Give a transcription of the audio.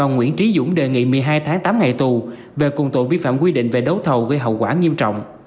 nguyễn trí dũng đề nghị một mươi hai tháng tám ngày tù về cùng tội vi phạm quy định về đấu thầu gây hậu quả nghiêm trọng